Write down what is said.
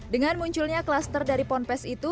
dengan munculnya klaster dari ponpes itu